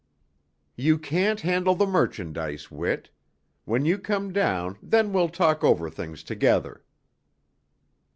"You can't handle the merchandise, Whit. When you come down, then we'll talk over things together."